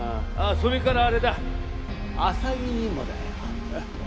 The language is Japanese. それからあれだ浅木にもだよハハハ。